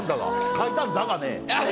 書いたんだがね。